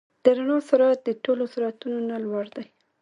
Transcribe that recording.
د رڼا سرعت د ټولو سرعتونو نه لوړ دی.